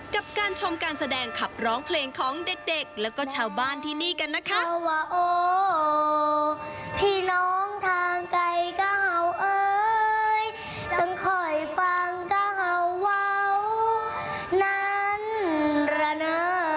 กับการชมการแสดงขับร้องเพลงของเด็กแล้วก็ชาวบ้านที่นี่กันนะคะ